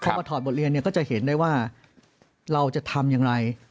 พอมาถอดบทเรียนเนี่ยก็จะเห็นได้ว่าเราจะทำอย่างไร